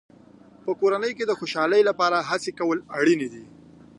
په کورنۍ کې د خوشحالۍ لپاره هڅې کول اړینې دي.